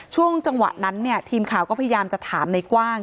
ช่วงจังหวะนั้นเนี่ยทีมข่าวก็พยายามจะถามในกว้าง